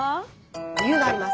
理由があります。